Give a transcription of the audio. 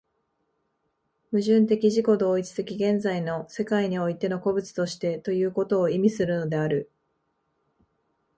矛盾的自己同一的現在の世界においての個物としてということを意味するのである。